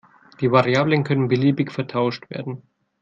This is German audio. Die Variablen können beliebig vertauscht werden.